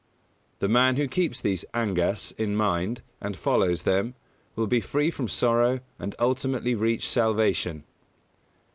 The man who keeps these angas in mind and follows them will be free from sorrow and ultimately reach salvation.